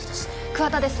桑田です